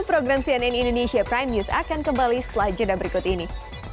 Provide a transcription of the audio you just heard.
program cnn indonesia prime news akan kembali setelah jeda berikut ini